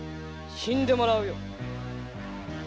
死んでもらうよ。